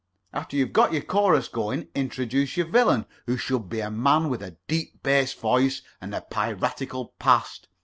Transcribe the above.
After you've got your chorus going, introduce your villain, who should be a man with a deep bass voice and a piratical past.